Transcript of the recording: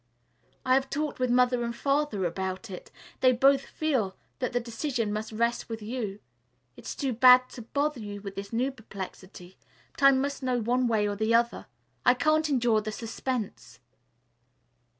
I have talked with Mother and Father about it. They both feel that the decision must rest with you. It's too bad to bother you with this new perplexity, but I must know one way or the other. I can't endure the suspense."